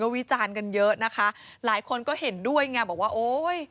วิจารณ์กันเยอะนะคะหลายคนก็เห็นด้วยไงบอกว่าโอ้ย